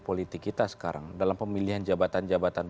politik kita sekarang dalam pemilihan jabatan jabatan